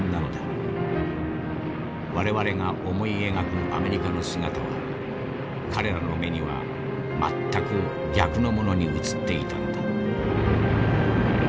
我々が思い描くアメリカの姿は彼らの目には全く逆のものに映っていたのだ」。